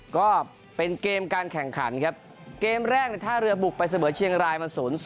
ก็เป็นเกมการแข่งขันครับเกมแรกในท่าเรือบุกไปเสมอเชียงรายมา๐๐